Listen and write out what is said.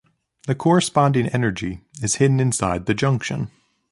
The corresponding energy is hidden inside the junction.